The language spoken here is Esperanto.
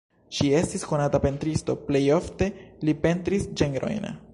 Ŝi estis konata pentristo, plej ofte li pentris ĝenrojn.